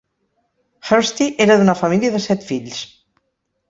Hursti era d'una família de set fills.